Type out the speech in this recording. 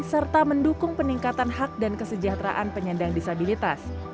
serta mendukung peningkatan hak dan kesejahteraan penyandang disabilitas